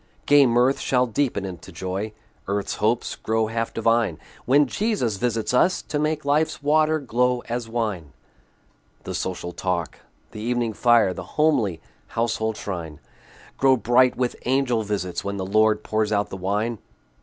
Gay mirth shall deepen into joy, Earth's hopes grow half divine, When Jesus visits us, to make Life's water glow as wine. The social talk, the evening fire, The homely household shrine, Grow bright with angel visits, when The Lord pours out the wine.